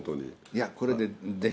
いやこれ。